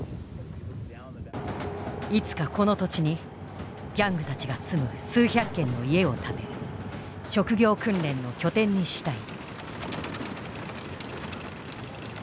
いつかこの土地にギャングたちが住む数百軒の家を建て職業訓練の拠点にしたい。